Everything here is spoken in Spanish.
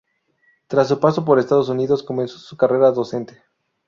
Tras su paso por Estados Unidos comenzó su carrera docente.